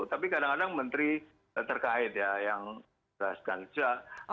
tapi kadang kadang menteri terkait ya yang menjelaskan